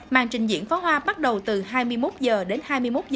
màn trình diễn pháo hoa bắt đầu từ hai mươi một h đến hai mươi một h một mươi năm